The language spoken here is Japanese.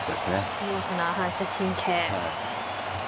見事な反射神経。